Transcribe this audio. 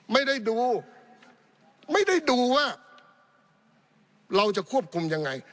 ไม่ได้ดูไม่ได้ดูว่าเราจะควบคุมยังไง